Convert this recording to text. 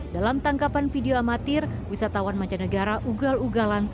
dalam tangkapan video amatir wisatawan mancanegara ugal ugalan